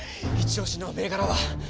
いち押しの銘柄は？